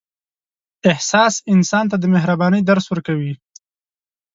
احساس انسان ته د مهربانۍ درس ورکوي.